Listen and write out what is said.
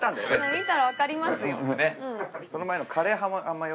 見たらわかりますよ。